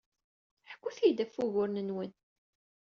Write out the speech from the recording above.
Ḥkut-iyi-d ɣef wuguren-nwen.